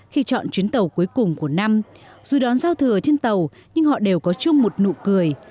khi chọn chuyến tàu cuối cùng của năm dù đón giao thừa trên tàu nhưng họ đều có chung một nụ cười